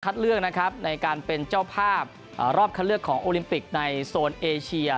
เลือกนะครับในการเป็นเจ้าภาพรอบคัดเลือกของโอลิมปิกในโซนเอเชีย